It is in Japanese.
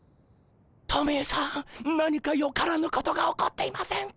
トミーさん何かよからぬことが起こっていませんか？